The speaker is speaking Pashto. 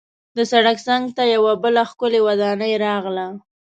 د سړک څنګ ته یوه بله ښکلې ودانۍ راغله.